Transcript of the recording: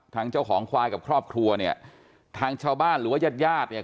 ทางเจ้าของควายกับครอบครัวเนี่ยทางชาวบ้านหรือว่าญาติญาติเนี่ย